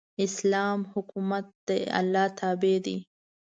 اسلامي حکومت د الله د حکم تابع دی.